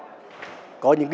có gì không đáp ứng được